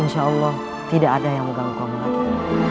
insya allah tidak ada yang mengganggu kamu lagi